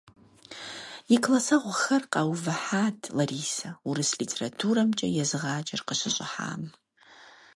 И классэгъухэм къаувыхьат Ларисэ, урыс литературэмкӀэ езыгъаджэр къыщыщӀыхьам.